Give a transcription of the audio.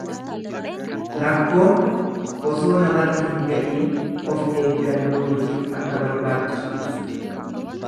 Rakkoon osoo namarra hin ga'iin of eeggannoo gochuun akka barbaachisu ibsa.